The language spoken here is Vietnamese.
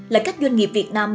là các doanh nghiệp việt nam